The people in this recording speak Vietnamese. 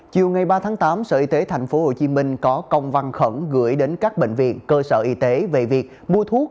chiều ngày ba tháng tám sở y tế tp hcm có công văn khẩn gửi đến các bệnh viện cơ sở y tế về việc mua thuốc